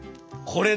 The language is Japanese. これ？